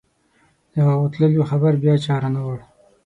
د هغو تللیو خبر بیا چا رانه وړ.